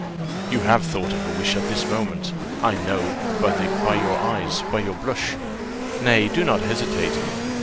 You have thought of a wish at this moment, I know, by your eyes, by your blush. Nay, do not hesitate.